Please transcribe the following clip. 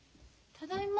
ただいま。